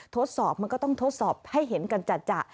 ทดสอบมันก็ต้องทดสอบให้เห็นกันจัด